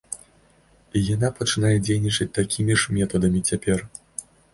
І яна пачынае дзейнічаць такімі ж метадамі цяпер.